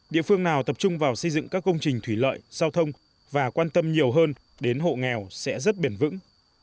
địa phương nào tập trung vào xây dựng các công trình thủy lợi giao thông và quan tâm nhiều hơn đến hộ nghèo sẽ rất bền vững